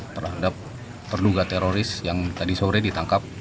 terhadap terduga teroris yang tadi sore ditangkap